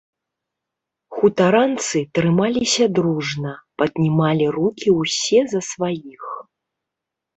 Хутаранцы трымаліся дружна, паднімалі рукі ўсе за сваіх.